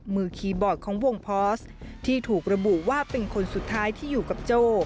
คีย์บอร์ดของวงพอสที่ถูกระบุว่าเป็นคนสุดท้ายที่อยู่กับโจ้